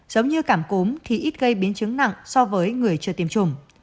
giống như cảm cúm thì ít gây biến chứng nặng so với người chưa tiêm chủng